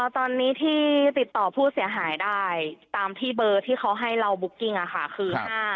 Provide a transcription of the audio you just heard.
ตอนนี้ที่ติดต่อผู้เสียหายได้ตามที่เบอร์ที่เขาให้เราบุ๊กกิ้งคือ๕๕